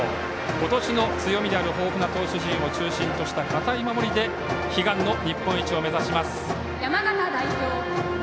今年の強みである、豊富な投手陣を中心とした堅い守りで悲願の日本一を目指します。